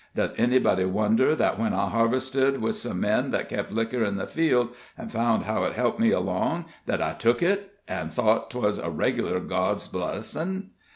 Does anybody wonder that when I harvested with some men that kep' liquor in the field, an' found how it helped me along, that I took it, an' thought 'twas a reg'lar God's blessin'?